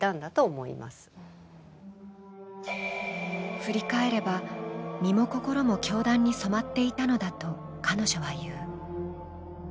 振り返れば、身も心も教団に染まっていたのだと彼女は言う。